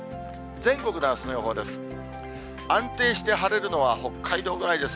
全国のあすの予報です。